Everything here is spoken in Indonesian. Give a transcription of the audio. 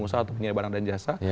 atau penyiap barang dan jasa